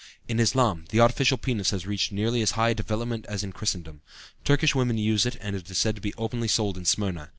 In Islam the artificial penis has reached nearly as high a development as in Christendom. Turkish women use it and it is said to be openly sold in Smyrna.